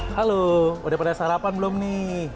halo udah pada sarapan belum nih